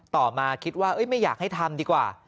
ต่อมาคิดว่าไม่อยากให้ทำดีกว่า